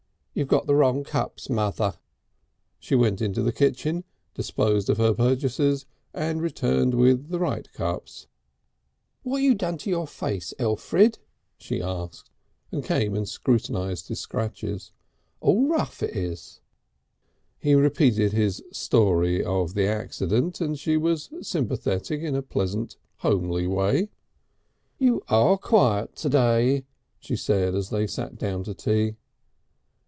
"You've got the wrong cups, Mother." She went into the kitchen, disposed of her purchases, and returned with the right cups. "What you done to your face, Elfrid?" she asked, and came and scrutinised his scratches. "All rough it is." He repeated his story of the accident, and she was sympathetic in a pleasant homely way. "You are quiet to day," she said as they sat down to tea.